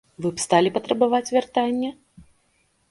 Вы б сталі патрабаваць вяртання?